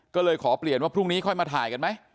ก็เลยขอเปลี่ยนว่าพรุ่งนี้ค่อยมาถ่ายกันไหม